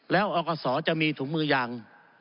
แล้วอกศจะมีถุงมือยาง